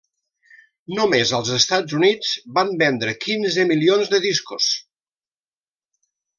Només als Estats Units van vendre quinze milions de discos.